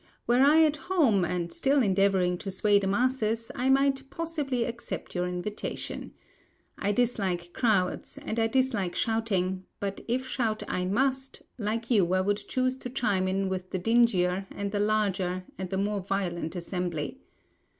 Were I at home, and still endeavouring to sway the masses, I might possibly accept your invitation. I dislike crowds, and I dislike shouting; but if shout I must, like you I would choose to chime in with the dingier and the larger and the more violent assembly.